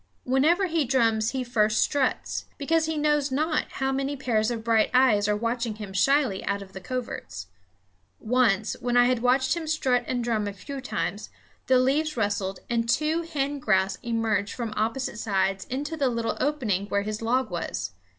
Whenever he drums he first struts, because he knows not how many pairs of bright eyes are watching him shyly out of the coverts. Once, when I had watched him strut and drum a few times, the leaves rustled, and two hen grouse emerged from opposite sides into the little opening where his log was.